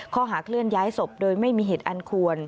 ข้อหาเคลื่อนย้ายศพโดยไม่มีเหตุอันควร